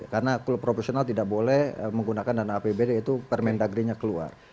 karena klub profesional tidak boleh menggunakan dana apbd itu permendagrinya keluar